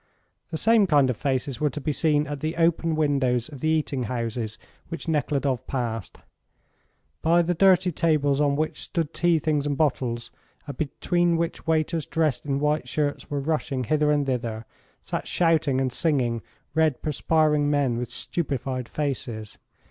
The same kind of faces were to be seen at the open, windows of the eating houses which Nekhludoff passed. By the dirty tables on which stood tea things and bottles, and between which waiters dressed in white shirts were rushing hither and thither, sat shouting and singing red, perspiring men with stupefied faces.